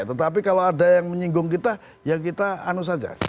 tetapi kalau ada yang menyinggung kita ya kita anus saja